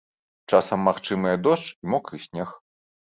Часам магчымыя дождж і мокры снег.